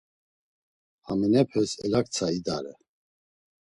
Haminepes elaktsa idare.